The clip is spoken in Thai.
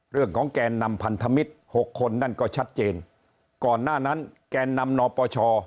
แกนนำพันธมิตรหกคนนั่นก็ชัดเจนก่อนหน้านั้นแกนนำนปช